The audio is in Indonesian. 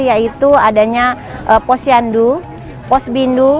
yaitu adanya posyandu posbindu